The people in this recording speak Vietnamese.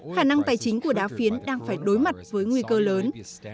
khả năng tài chính của đá phiến đang phải đối mặt với nguy cơ lớn